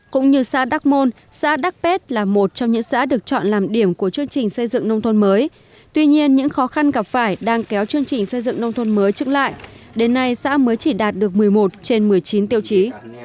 cũng như xã đắc môn xã đắk pét là một trong những xã được chọn làm điểm của chương trình xây dựng nông thôn mới tuy nhiên những khó khăn gặp phải đang kéo chương trình xây dựng nông thôn mới chứng lại đến nay xã mới chỉ đạt được một mươi một trên một mươi chín tiêu chí